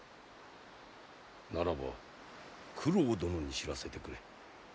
ならば九郎殿に知らせてくれ。